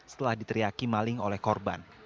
setelah diteriaki maling oleh korban